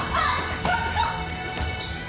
ちょっと。